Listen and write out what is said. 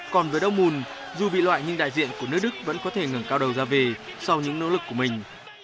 còn với đau mùn dù bị loại nhưng đại diện của nước đức vẫn có thể ngừng cao đầu ra về sau những nỗ lực của mình